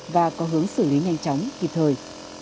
và có hướng xử lý nhanh chóng kịp thời